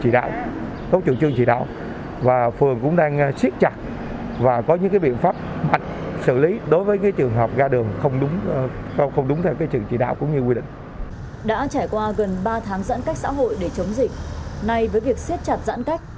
đã trải qua gần ba tháng giãn cách xã hội để chống dịch nay với việc siết chặt giãn cách